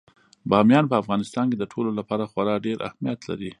بامیان په افغانستان کې د ټولو لپاره خورا ډېر اهمیت لري.